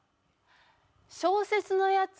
「小説のやつ」